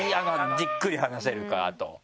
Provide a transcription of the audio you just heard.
じっくり話せるかあと。